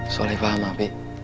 soleh paham abi